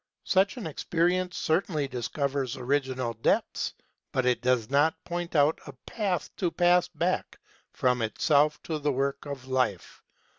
Such an experience certainly discovers original depths, but it does not point out a path to pass back from itself to the work of life.